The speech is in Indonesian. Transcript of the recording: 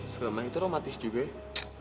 selama itu romantis juga ya